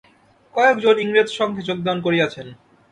কয়েকজন ইংরেজ সঙ্ঘে যোগদান করিয়াছেন।